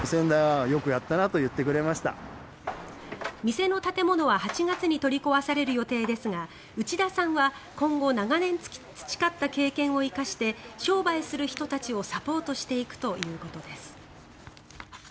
店の建物は８月に取り壊される予定ですが内田さんは今後長年培った経験を生かして商売する人たちをサポートしていくということです。